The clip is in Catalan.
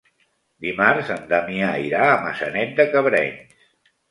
Dimarts en Damià irà a Maçanet de Cabrenys.